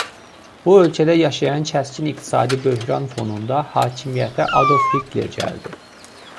Bu ölkədə yaşanan kəskin iqtisadi böhran fonunda hakimiyyətə Adolf Hitler gəldi.